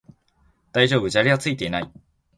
大丈夫、砂利はついていない